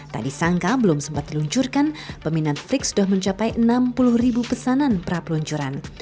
tak disangka belum sempat diluncurkan peminat frix sudah mencapai enam puluh ribu pesanan pra peluncuran